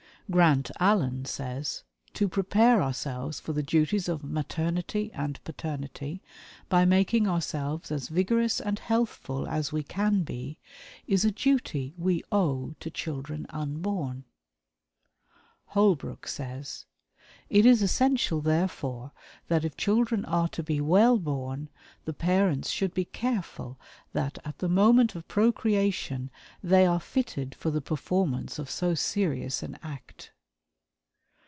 Grant Allen says: "To prepare ourselves for the duties of maternity and paternity by making ourselves as vigorous and healthful as we can be, is a duty we owe to children unborn." Holbrook says: "It is essential, therefore, that if children are to be well born, the parents should be careful that at the moment of procreation they are fitted for the performance of so serious an act."